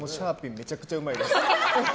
めちゃくちゃうまいです。